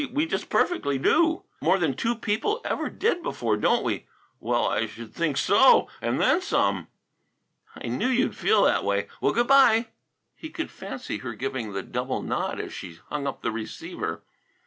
We just perfectly do!" "More than any two people ever did before, don't we?" "Well, I should think so; and then some." "I knew you'd feel that way. Well, good bye!" He could fancy her giving the double nod as she hung up the receiver.